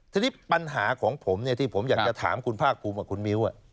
ทีนี้ปัญหาของผมที่ผมอยากจะถามคุณภาคภูมิกับคุณมิ้ว